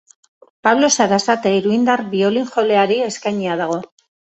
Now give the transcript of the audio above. Pablo Sarasate iruindar biolin-joleari eskainia dago.